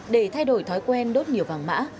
để thay đổi thói quen đốt nhiều vàng mã